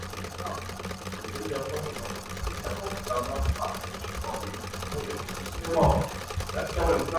Lacking rudder pedals, the Ercoupe was flown using only the control wheel.